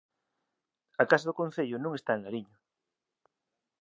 A Casa do Concello non está en Lariño